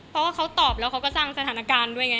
เพราะว่าเขาตอบแล้วเขาก็สร้างสถานการณ์ด้วยไง